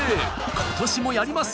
今年もやります。